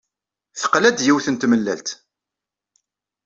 Teqla-d yiwet n tmellalt.